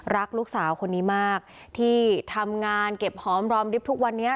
รักลูกสาวคนนี้มากที่ทำงานเก็บหอมรอมริบทุกวันนี้